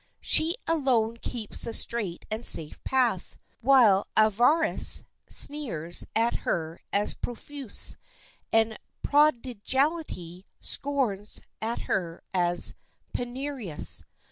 She alone keeps the straight and safe path, while Avarice sneers at her as profuse, and Prodigality scorns at her as penurious.